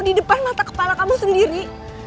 di depan mata kepala kamu sendiri